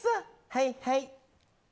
はいはい。